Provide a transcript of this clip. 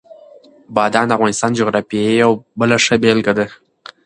بادام د افغانستان د جغرافیې یوه بله ښه بېلګه ده.